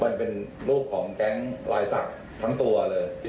มันเป็นรูปของแก๊งลายศักดิ์ทั้งตัวเลย